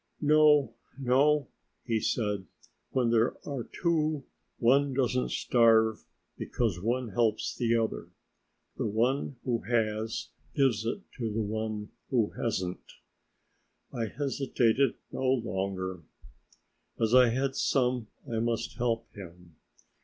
"No, no," he said; "when there are two, one doesn't starve, because one helps the other. The one who has it gives to the one who hasn't." I hesitated no longer. As I had some I must help him.